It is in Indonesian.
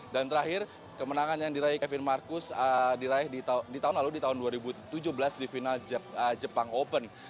dan terakhir kemenangan yang diraih kevin marcus diraih di tahun lalu di tahun dua ribu tujuh belas di final jepang open